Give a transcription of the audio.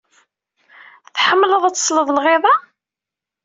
Tḥemmleḍ ad tesleḍ i lɣiḍa?